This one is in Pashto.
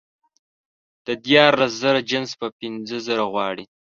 د دیارلس زره جنس په پینځه زره غواړي